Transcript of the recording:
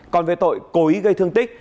còn về tội cố ý gây thương tích